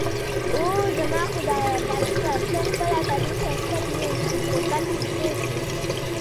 اووه، زما خدایه، ډاکټره ته خپله تراوسه شپږ میاشتې په کټ کې پروت یې؟